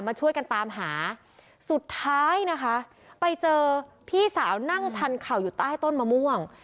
มาช่วยกันตามหาสุดท้ายนะคะไปเจอพี่สาวนั่งชันเข่าอยู่ใต้ต้นมะม่วง